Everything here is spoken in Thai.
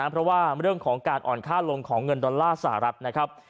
เพราะว่าเรื่องของการอ่อนค่าลงของเงินดอลลาร์สหรัฐนะครับ